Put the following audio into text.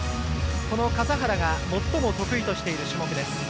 笠原が最も得意としている種目です。